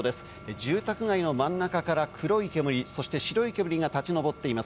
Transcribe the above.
住宅街の真ん中から黒い煙、そして白い煙が立ち上っています。